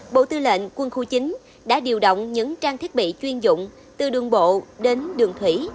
bộ tư lệnh quân khu chín đã điều động những trang thiết bị chuyên dụng từ đường bộ đến đường thủy